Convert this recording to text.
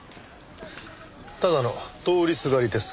ただの通りすがりです。